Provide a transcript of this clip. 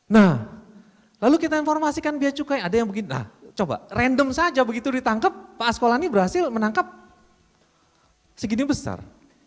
nah lalu kita informasikan bia cukai ada yang begini nah coba random saja begitu ditangkap pak askolani berhasil menangkap segini besar